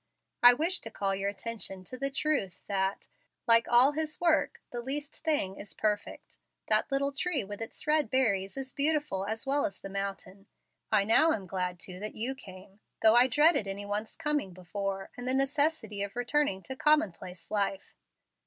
I wished to call your attention to the truth that, like all His work, the least thing is perfect. That little tree with its red berries is beautiful as well as the mountain. I now am glad too that you came, though I dreaded any one's coming before, and the necessity of returning to common place life.